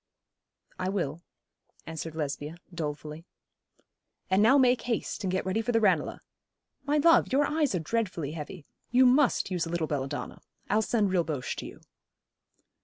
'I will,' answered Lesbia, dolefully. 'And now make haste, and get ready for the Ranelagh. My love, your eyes are dreadfully heavy. You must use a little belladonna. I'll send Rilboche to you.'